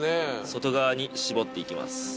外側に絞っていきます